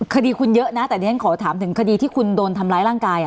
คดีคุณเยอะนะแต่ดิฉันขอถามถึงคดีที่คุณโดนทำร้ายร่างกาย